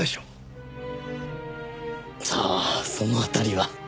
さあその辺りは。